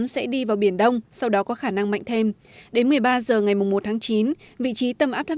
sẽ đi vào biển đông sau đó có khả năng mạnh thêm đến một mươi ba h ngày một tháng chín vị trí tâm áp thấp